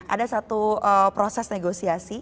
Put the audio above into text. ada satu proses negosiasi